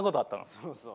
そうそう。